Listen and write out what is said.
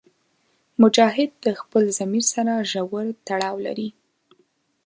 مجاهد د خپل ضمیر سره ژور تړاو لري.